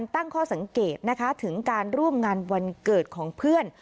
ตั้งข้อสังเกตนะคะถึงการร่วมงานวันเกิดของเพื่อน